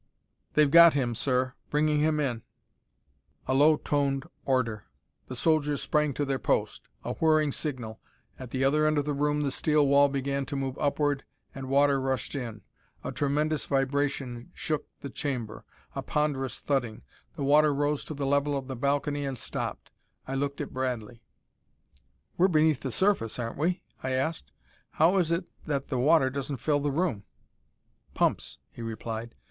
"They've got him, sir, bringing him in." A low toned order. The soldiers sprang to their post. A whirring signal. At the other end of the room the steel wall began to move upward, and water rushed in. A tremendous vibration shook the chamber: a ponderous thudding. The water rose to the level of the balcony and stopped. I looked at Bradley. "We're beneath the surface, aren't we?" I asked. "How is it that the water doesn't fill the room?" "Pumps," he replied.